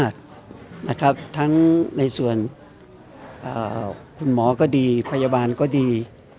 ทั้งในส่วนคุณหมอก็ดีพยาบาลก็ดี